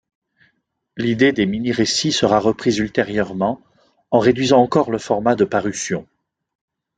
L'idée des mini-récits sera reprise ultérieurement, en réduisant encore le format de parution.